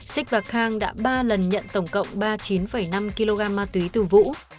sik và kang đã ba lần nhận tổng cộng ba mươi chín năm kg ma tuy từ vũ